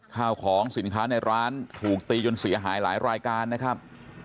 ข้าวของสินค้าในร้านถูกตีจนเสียหายหลายรายการนะครับ